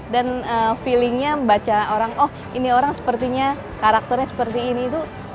feelingnya baca orang oh ini orang sepertinya karakternya seperti ini tuh